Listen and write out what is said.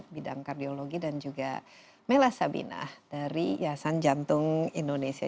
bidang kardiologi dan juga mela sabina dari yayasan jantung indonesia